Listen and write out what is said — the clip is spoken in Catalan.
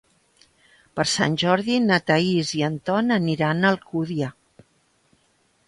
Per Sant Jordi na Thaís i en Ton aniran a Alcúdia.